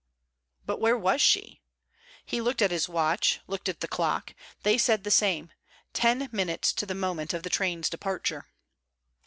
But where was she? He looked at his watch, looked at the clock. They said the same: ten minutes to the moment of the train's departure.